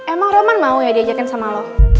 emang roman mau ya diajarin sama lo